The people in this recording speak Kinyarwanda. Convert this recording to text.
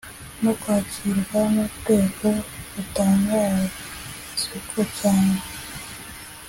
no kwakirwa n urwego rutanga isoko cyangwa